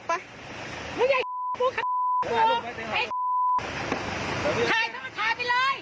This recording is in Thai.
ภายแล้วมันถ่ายไปเลย